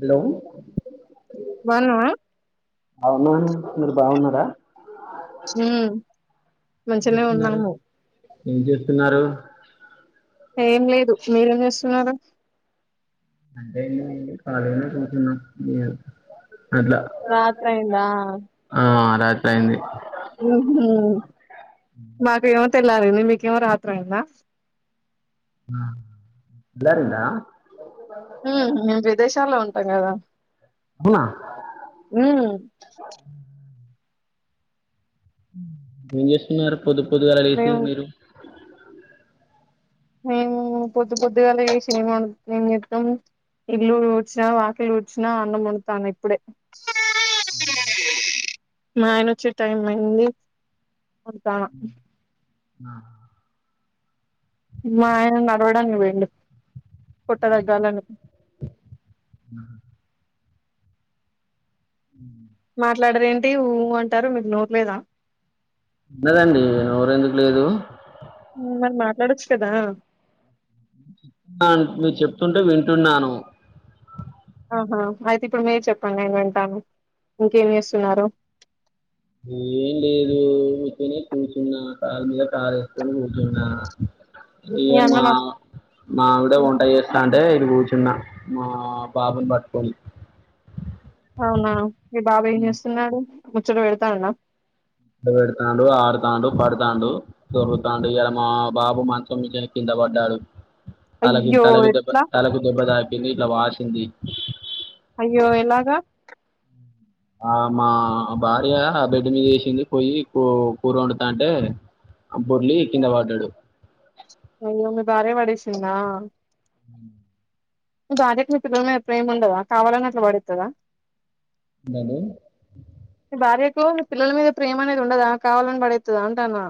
Hello! బాగున్నావా ఔనా మీరు బావున్నారా? హ్మ్ ఏం మంచిగనే చేస్తున్నారు ఉన్నాము. ఏం చేస్తున్నారు. ఏం లేదు మీరేం చేస్తున్నారు. అంటే ఏంది లేండి కలిగనే ఉ [unintelligible] రాత్రయిందా ఆ రాత్రి అయింది ఉమ్ హు మాక్ తెల్లారింది. మీక్ ఏమో రాత్రైందా ఆ హ్మ్ బెశాన్లో ఉంటాం కదా అవునా మ్ ఎంజేస్తున్నారు పొద్దు పొద్దుగల లేసి మేము మీరు మేము పొద్దు పొద్దుగల లేసి ఏమ్ వన్ ఎంజేత్తము ఇళ్ళూడ్చినా వాకీలుడ్చినా అన్నం వండతాన ఇప్పుడే మా ఆయనొచ్చే టైమైంది [unintelligible] అహ్ మా ఆయన నడవడానికి పోయిండు పొట్ట దగ్గాలని మాట్లాడరు ఏంటి ఊ అంటారు మీకు నోర్లేదా ఉన్నదండి నోరెందుకు లేదు మరి మాట్లాడొచ్చు కదా [unintelligible] మీర్ చెప్తుంటే వింటున్నాను ఆహా అయితే ఇప్పుడు మీరు చెప్పండి నేను వింటాను ఇంకేం చేస్తున్నారు ఏం లేదు ఊకేనే కూచున్నా కాల్ మీద కాలేసుకొని కూచున్నా ఈయ మీ అన్న మా మస్త్ మావిడ హ్మ్. వంట చేస్తాంటే ఇటు కూ ఉన్న మా బాబున్ బట్కొని అవునా మీ బాబేం చేస్తున్నాడు ముచ్చట బెడతాండా [unintelligible] పెడతాండు ఆడుతాండు పడతాండు దొర్లుతాండు ఇయ్యాలా మా బాబు మంచం మీచెల్లి కిందబడ్డాడు తలకి అయ్యో! తలకి ఎట్లా? దెబ్బ దెబ్బ తాకింది ఇట్లా వాచ్ [unintelligible] అయ్యో ఎలాగా ఆ మా భార్య బెడ్డు మీదేసింది పోయి కూ కూరొండుతాంటే ఆ బొర్లి కింద పడ్డాడు అయ్యో మీ భార్య పడేసిందా మీ భార్యకు మీ పిల్లలమీద ప్రేముండదా కావాలని అట్లా పడేత్తదా మీ [unintelligible] భార్యకు మీ పిల్లల మీద ప్రేమ అనేది ఉండదా కావాలని పడేత్తదా అంటాన్నా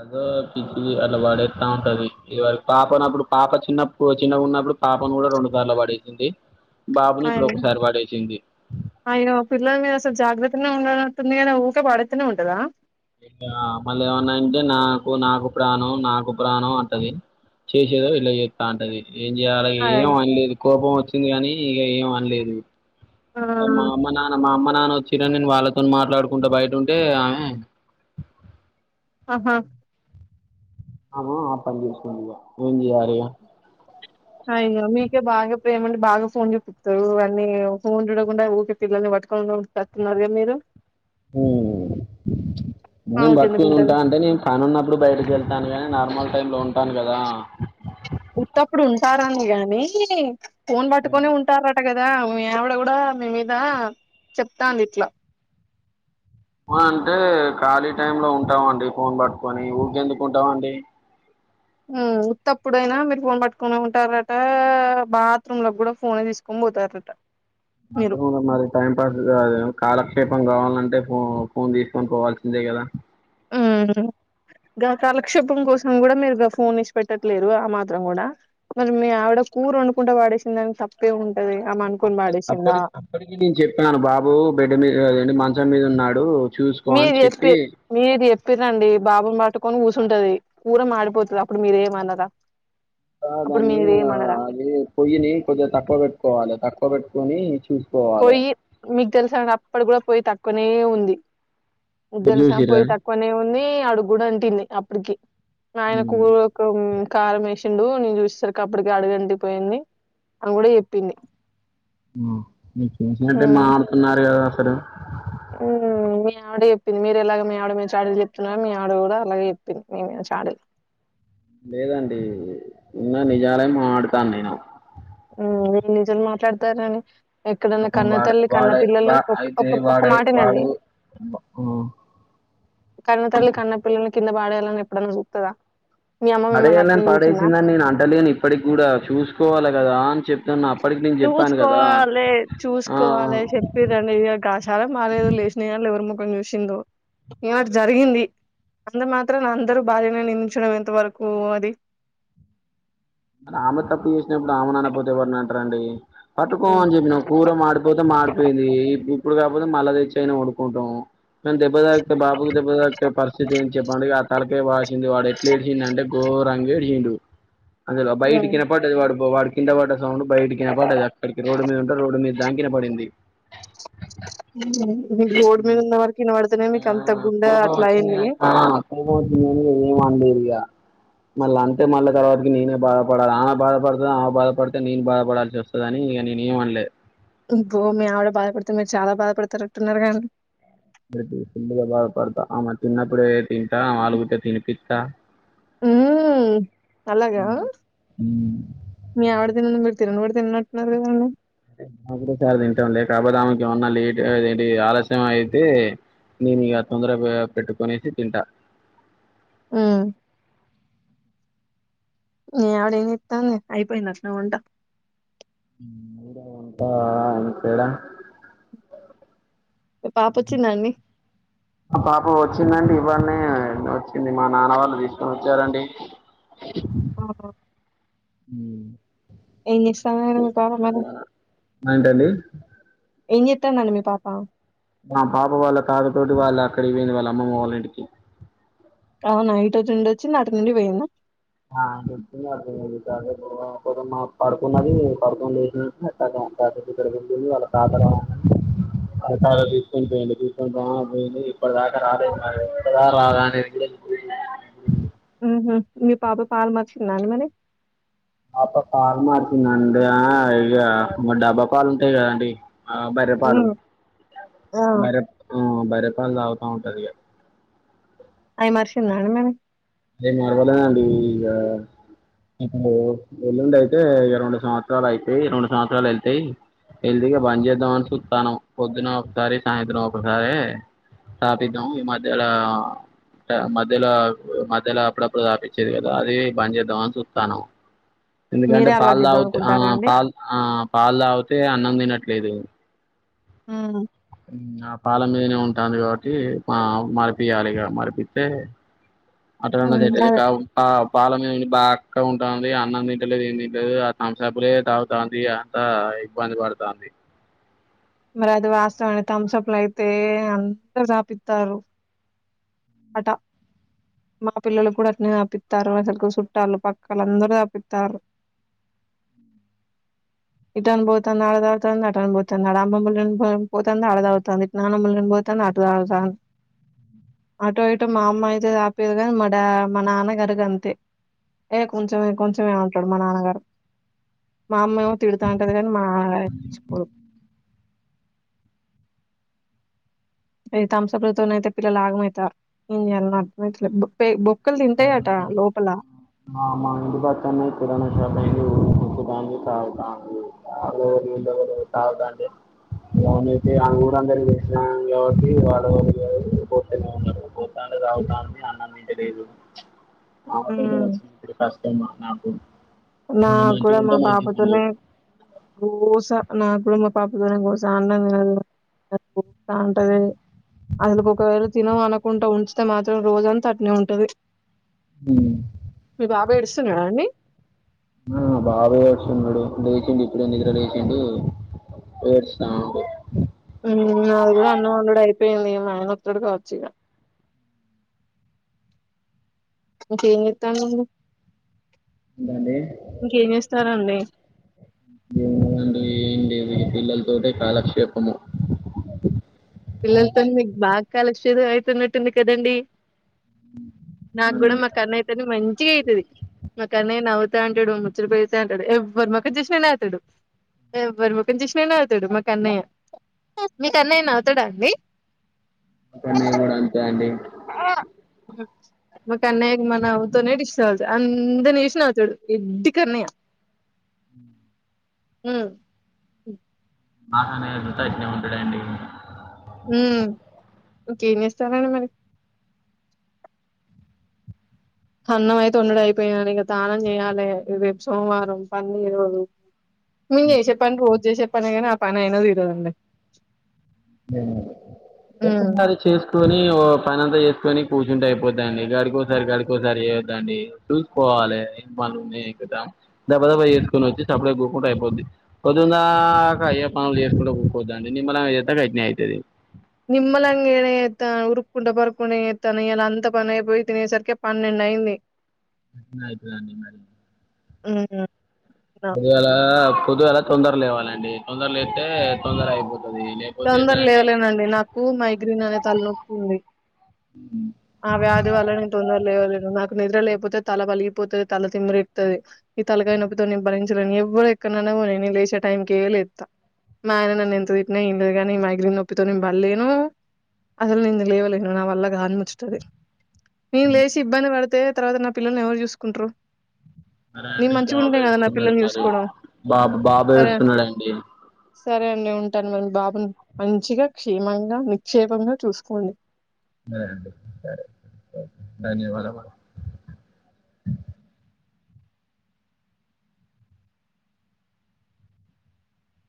అదో పిచ్చిది అట్లా పాడేస్తా ఉంటది ఇవ పాపనుప్పుడు పాప చిన్నప్పుడు చిన్నగున్నప్పుడు పాపను కూడా రెండు సార్లు పడేసింది బాబుని హాయ్ ఇప్పుడు అండి ఒకసారి పడేసింది అయ్యో పిల్లల మీద అసలు జాగ్రత్తనే ఉండన తుందిగానే ఊకే పడేత్తానే ఉంటదా ఇలా మళ్ళ ఏమన్నా అంటే నాకు నాకు ప్రాణం నాకు ప్రాణం అంటది చేసేదో ఇట్ల చెత్తా అంటది ఏం చేయలె ఆయ్ ఏం అనలేదు కోపం వచ్ [unintelligible] కానీ ఇగ ఏం అనలేదు ఆ! మా అమ్మ నాన మా అమ్మ నాన్న వచ్చిర్రని నేను వాళ్ళతో మాట్లాడుకుంటా బయటుంటే ఆమె ఆహా ఆమ ఆ పన్ జేసిందిగ ఏం జెయ్యాలిగ అయ్యో మీకే బాగా ప్రేమ ఉండి బాగా ఫోన్ చూపిత్తారు అన్నీ ఫోన్ చూడకుండా ఊకే పిల్లల్ని పట్టుకోని [unintelligible] మీరు ఊ నేను ఆమెకెందుకు బట్కోని ఉంటది ఉంటా అంటే నేను పని ఉన్నప్పుడు బయటకి వెళ్తాను గాని నార్మల్ టైం లో ఉంటాను గదా ఉత్తప్పుడు ఉంటారు అని గానీ ఫోన్ పట్టుకోనే ఉంటారట గ దా మీ ఆవిడ కూడా మీ మీద చెప్తాంది ఇట్లా అ అంటే ఖాళీ టైం లో ఉంటాం అండి ఫోన్ పట్టుకొని ఊకే ఎందుకు ఉంటాం అండి ఊ ఉత్తప్పుడైనా మీరు ఫోన్ పట్టుకోనే ఉంటారట బాత్రూమ్ లో కూడా ఫోనే తీసుకొని పోతారట మీరు [unintelligible] మరి టైం పాస్ కాదేం కాల క్షేపం కావాలంటే ఫో ఫోన్ తీసుకోని పోవాల్సిందే కదా ఊ గా కాలక్షేపం కోసం కూడా మీరు గా ఫోన్ ఇడిచి పెట్టట్లేరు ఆ మాత్రం కూడా మరి మీ ఆవిడ కూరొండుకుంటా వడేసిందని తప్పేం ఉం అప్పు అప్పటికి అప్పటికీ నేను చెప్పాను బాబూ బెడ్డు [unintelligible] మంచం మీద ఉన్నాడు చూసుకో అని మీరు చెప్పి మీరు చెప్పిర్రండి బాబుని పట్టుకొని కూసుంటది కూర మాడిపోతది అప్పుడు మీరేం అనరా ఆ దాన్ని అది పొయ్యిని కొంచము తక్కువ పెట్టుకోవాలె తక్కువ పెట్టుకొని చూసుకోవాలి పొయ్యి మీకు తెల్స అప్పడు కూడా పోయి తా కునే ఉంది క్ మీరు తెల్సా చూసిర్రా పొయ్యి తక్కువనే ఉంది అడుగుడు అంటింది అప్పటికి మా ఆయనకు ఉమ్, ఒక రోగం కారం వేసిండు నేను చూసేసరికి అప్పటికి అడుగంటి పోయింది అని కూడా చెప్పింది ఆ మీరు చూసేదే ఉమ్, మారుతున్నారు కదా హలో చెప్పంది మీరు ఎలాగ మీ ఆవిడ మీద చాడలు చెప్తున్నారో మీ ఆవిడ కూడా అలాగే చెప్పింది మీ మీద చాడలు లేదండి ఉన్న నిజాలే మాడతాను నేను మ్మ్ మీరు నిజాలు మాట్లాడతారని ఎక్కడన్నా ఆ కన్న వాడే తల్లి కన్న వాడే పిల్లల్ని వా ఒక్ అయితే ఒక ఒక్క వాడే మాటినండి. వాడు ఆ కన్నతల్లి కన్నపిల్లలకి కింద పాడేయాలని ఎప్పుడన్నా చుత్తద పడేయాలని పడేసిందని నేను అంటలేను ఇప్పటికి గూడా చూసుకోవాలె చూసుకోవాలె ఆ చూసుకోవాలె చెప్పిర్రని [inaudible] మాది ఏదో లేషినయని ఎవరి ముఖం చూసిందో ఏవట జరిగింది అంత మాత్రాన అందరూ భార్యని నిందించడం ఎంత వరకూ అది మరి ఆమె తప్పు చేసినప్పుడు ఆమెను అనకపోతే ఎవరిని అంటరండి హ్మ్. పట్టుకోమని చెప్పినం కూర మాడిపోతే మాడిపోయింది. ఇప్పుడు కాకపోతే మళ్ళ తెచ్చి అయినా వండుకుంటాం అంతే దెబ్బ తా బాబుకు దెబ్బ తాకితే పరిస్థితి ఏంటీ చెప్పండి ఇగ తలకాయ వాషింది వాడు ఎట్లే ఏడుతా ఈనంటే గోరంగా ఎగిరిండు అందులో బయటికి హ్మ్. వినపడ్డది వాడు కింద పడ్డ సౌండ్ బయటికీ వినపడ్డది అక్కడికి రోడ్డు మీద ఉంటే రోడ్డు మీద దంకా వినపడింది మీ గోడు మీద ఉన్న వరకు ఇనబడితేనే అ మీకు అంత గుండె కోపం అట్లా వచ్చింది అయింది. అ కోపం వచ్చింది కానీ ఏం అనలే యా మళ్ళా అంతే మళ్ళా తర్వాత నేనే బాధపడాలి ఆమె బాధపడతని ఆమె బాధపడితే నేను బాధపడాల్సి వస్తుందిని ఇగ నేను ఏమనలే. అబ్బో మీ ఆవిడ బాధపడుతే మీరు చాలా బాధపడతారుట్టున్నారు కా అండి ఫుల్ గా బాధపడతా ఆమే తిన్నప్పుడే తింటా అలుగుతె తినిపిత్త ఉ అలాగా మీ ఆవిడ తిన తిన్నోడు తిన్నట్టున్నారు కదా అల్లా సారి తింటాం లే కాకపోతే ఆమెకు ఏమన్నా లే ఏంటి ఆలస్యం అయితే నేను ఇక తొందరగా పెట్టుకునేసి తింటా ఉ మీ ఆవిడా ఏం చేత్తందీ అయిపోయిందటన వంట ఉంటా అక్కడ మీ పాపొచ్చిందా అండి? ఆ పాప వచ్చిందండి డిని వచ్చింది మా నాన్న వాళ్ళు తీసుకొని వచ్చారండి. ఆ హ ఉ ఏం చేస్తంది మే పాపా మరి ఉ ఏంటండి ఏం చేత్తందండి మీ పాపా మా పాప వాళ్ళ తాత తోటి వాళ్ళు అక్కడ కి పోయింది వాళ్ళ అమ్మమ్మ వాళ్ళ ఇంటికి. అవునా ఇటు వచ్చి ఉండి వచ్చింది అటు నుండీ పోయిందా ఆ చెప్పింది అర్థం అయ్యింది తపుం మా పడుకున్నదిే పడుకొనిసినట్ ఇక్కడేది వాళ్ళ తాతర తీసుకొని పోయిడి తీసుకుంటాని పోయింది ఇప్పటిదాకా రదే ఇప్ప దాకా రాదా అనేది ఉ హ్ మీ పాప పాలు మర్చింద అండి మరి పాప పాలు మార్చందండి ఇక డబ్బా పాలు ఉంటాయి కదండి ఆ బర్రెపాలు హ్మ్. ఆ! బర్రె ఆ బర్రె బర్రెపాలు తాగుతా ఉంటది ఇగ అయి మర్శింద అండి మరి లేదు మరవలేదండి ఇక ఇప్పుడు ఎల్లుండి అయితే ఇగా రెండు సంవత్సరాలు అయితాయి రెండు సంవత్సరాలు వెళ్తాయి జల్దీ గా బంజేద్దాం అని చూస్తానం పొద్దున ఒకసారి సాయంత్రం ఒకసారి తాగిపిద్దాం మధ్యల మధ్యల ధ్యలా అప్పుడప్పుడు తాపించేది కదా అది బంజేద్దాం అని చూత్తనాం ఎందుకంటే మీరే అలవాటు పాలు జేద్దాం తా ఆ అనుకుంటారా అండి? పాలు ఆ పాలు తాగితే అన్నం తినట్టు లేదు మ్మ్ మ్మ్ ఆ పాల మీదనే ఉంటంది కాబట్టి ఆ మరిపియాలిగా మరిపిత్తే అటనన్న హ్మ్. సెట్ అయితది అదే. కావ్ కావ్ పాల మీద బాక్క ఉంటుంది, అన్నం తింటలేదు ఏం తింట లేదు, ఆ తంసేపులే తాగుతుంది అంతా ఇబ్బంది పడతుంది. మరి అది వాస్తవాన్ని థమ్స అప్ లో అయితే అందరు తాపిత్తారు అట మగపిల్లలకి అట్నే తాపిత్తారు. అసలుకు సుట్టాలు పక్కాలుకు అందరూ తాపిత్తారు, ఇట అని బోతంది అట అని పోతుంది అడ అమ్మములని పోతుంది ఆడదవుతుంది ఇటు నాన్నమ్మలని పోతోంది అటు తావుతుంది. అటో ఇటో మా అమ్మ అయితే తాపీయదు, కాని మా డా మా నాన్నగారు అంతే ఏ కొంచెం కొంచెం ఏమంటాడు మా నాన్నగారు మా అమ్మ ఏమో తిడుతాంటది కాని మా అయితే తంసపులతోన అయితే పిల్లలు ఆగమైతారు ఏం జేయలనో అర్త్ కాదు పైకి బో క్కల్ తింటాయట లోపల ఆ మా ఇంటి పక్కన కిరాణ షాపు [unintelligible] తాగుతాంది తగుతాంటేనయితే ఊరందరికి చేసినాం కాబట్టి వాళ్ళ పోస్తనే ఉన్నారు పోత్తాంటే తాగుతాంది అన్నం తింటలేదు. హ్మ్ ఆపినెన్స్ ఫస్ట్ టైం నాకు నా ఆమె గూడ మా మంచిగుంటే మంచిగుండు బాబుతోనే గోస నాకు గూడ మా పాపతోనే గోస అన్నం తినదు, అట్ తిప్ప తా ఉంటది అది ఒకవేళ తినమనుకుంటే ఉంచితే మాత్రం రోజంతా అట్నే ఉంటది. హ్మ్ మీ బాబు ఏడుస్తున్నాడా అండి ఆ బాబు ఏడుస్తున్నడు లేచిండి ఇప్పుడే నిద్ర లేచిండు ఏడుస్తాండు. మ్మ్ నాది గుడ అన్నం వండుడు అయిపోయింది మా ఆయన ఒత్తడు కావచ్చు ఇగ ఇంకేం చేతాండు అండి ఏంటండీ ఏం లేదు అండి ఇ పిల్లల్ ఏంటె కాలక్షేపము పిల్లలతోని మీకు బాగా కాలక్షేపం అవుతున్నట్టుంది కదండి నాకు గుడ అవునండి మా కన్నయ్య తోని మంచిగా ఐతది మా కన్నయ్య నవ్వు అంటడు ముచ్చట పెడతంటడు ఎవ్వరి ముఖం చూసిన నవ్వుతడు, ఎవ్వరి ముఖం చూసిన నవ్వుతడు మా కన్నయ్య. తడా అండి మా కన్నయ్య గుడ అంతే అండి ఆ మా కన్నయ్య మ నవ్వుతనే దిష్టి తగులుతది అందరినీ చూసి నవ్వుతడు ఎడ్డీ కన్నయ్య, హ్మ్ మ్మ్ నా కన్నయ్య సుత అట్నే ఉంటడండి ఒకే ఏం చేస్తారండి మరి అన్నం అయితే ఓండుడు అయిపోయినది ఇంగ తానం చేయాలే రేపు సోమవారం పనితీరవదు. నేను చేసేతాను రోజు చేసేతాను గని అం పనైనా తీరదండి జనవరి ఉమ్. ఒసారి చేసుకొని ఓ పనింతా చేసుకొని కూర్చుంటే అయిపోద్దండి గడికోసారి గడికోసారి చేయద్దండి చూసుకోవాలె ఏం పని ఉంది ఏం కథ దబ దబ చేసుకొనొచ్చి సప్పుడేక టె అయిపోతుద్ది పొద్దుందాక అయ్యే పనులు చేసుకుంటా కూసొద్దండి నిమ్మలంగ అది అట్నే అయితది నిమ్మలంగానే చేత్తా ఉరుక్కుంట పరుక్కుంట చేత్తన గదా అంత పని అయిపోయి తినేసరికే పన్నెండు అయింది. అట్నే అయితదండి మరి అవునా పొద్దుగాలా పొద్దుగాల తొందర లేవాలండి తొందర లేస్తే తొందర అయిపో తొందర లేవలేనండి నాకు మైగ్రేన్ అనే తలనొప్పి ఉంది ఆ వ్యాధి వల్లనే తొందర లేవలేను నాకు నిద్ర లేపోతే తల పలిగిపోతుది తల తిమ్మిరెక్కుతది ఈ తలకాయ నొప్పితోనీ భరించలేని ఎవరు ఎక్కనన్న పోనీ నేను లేసే టైంకే లేత్త మా ఆయన నన్ను ఎంత తిట్టిన కాగాని మైగ్రీన్ నొప్పితో నేను బల్లేను అసలు నేను లేవలేను నా వల్ల గాని ముచ్చట అది నేను లేేసి ఇబ్బంది పడతే తర్వాత నా పిల్లల్ని ఎవరు చూసుకుంట్రు సరే అండి బాబు ఏడుస్తున్నాడు మరి చూసుకోవడం బాబు బాబు సరే ఏడుస్తున్నాడండి సరే అండి ఉంటాను మరి బాబు మంచిగా క్షేమంగా నిక్షేపంగా చూసుకోండి సరే అండి సరే ధన్యవాదం